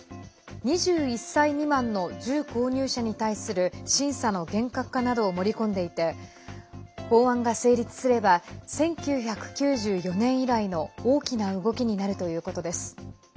２１歳未満の銃購入者に対する審査の厳格化などを盛り込んでいて法案が成立すれば１９９４年以来の大きな動きになるということです。